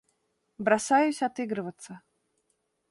Бросаюсь отыгрываться.